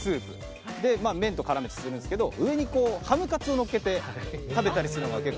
麺と絡めてすするんですけど上にハムカツをのっけて食べたりするのが結構。